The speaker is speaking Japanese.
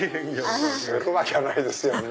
するわきゃないですよね。